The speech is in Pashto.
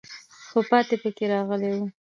خو پاتې پکې راغلی وو.